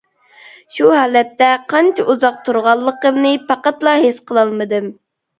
شۇ ھالەتتە قانچە ئۇزاق تۇرغانلىقىمنى پەقەتلا ھېس قىلالمىدىم.